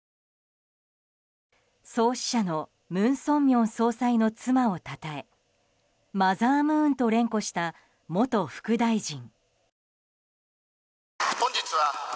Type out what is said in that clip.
創始者の文鮮明総裁の妻をたたえマザームーンと連呼した元副大臣。